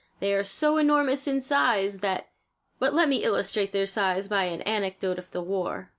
They are so enormous in size that but let me illustrate their size by an anecdote of the war.